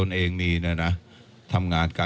แล้วถ้าคุณชุวิตไม่ออกมาเป็นเรื่องกลุ่มมาเฟียร์จีน